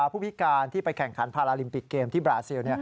ผู้พิการที่ไปแข่งขันพาราลิมปิกเกมที่บราซิล